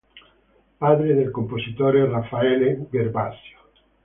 Padre del compositore Raffaele Gervasio.